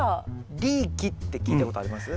リーキって聞いたことあります？